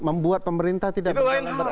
membuat pemerintah tidak berat